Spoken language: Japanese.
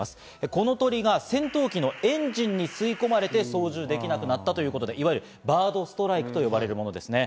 この鳥が戦闘機のエンジンに吸い込まれて操縦できなくなったということで、いわゆるバードストライクというものですね。